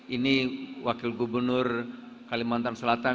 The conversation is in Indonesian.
ini wakil gubernur kalimantan selatan